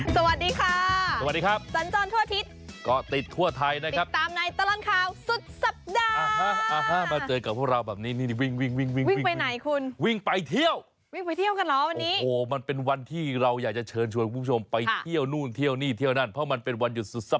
สวัสดีค่ะสวัสดีครับสัญจรทั่วอาทิตย์ก็ติดทั่วไทยนะครับติดตามในตลอดข่าวสุดสัปดาห์มาเจอกับพวกเราแบบนี้นี่วิ่งวิ่งวิ่งวิ่งวิ่งไปไหนคุณวิ่งไปเที่ยววิ่งไปเที่ยวกันเหรอวันนี้โอ้โหมันเป็นวันที่เราอยากจะเชิญชวนคุณผู้ชมไปเที่ยวนู่นเที่ยวนี่เที่ยวนั่นเพราะมันเป็นวันหยุดสุดทรั